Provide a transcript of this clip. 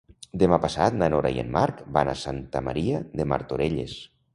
Demà passat na Noa i en Marc van a Santa Maria de Martorelles.